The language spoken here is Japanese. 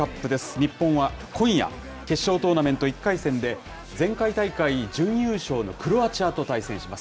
日本は今夜、決勝トーナメント１回戦で、前回大会準優勝のクロアチアと対戦します。